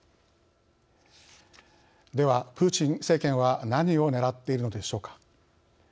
ではプーチン政権は何をねらっているのでしょうか。